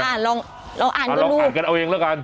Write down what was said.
ลองอ่านลองอ่านกันเอาเองแล้วกัน